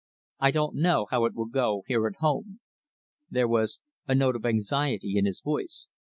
I don't know how it will go here at home." There was a note of anxiety in his voice.